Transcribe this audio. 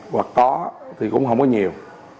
hoặc có thì cũng không có nhiều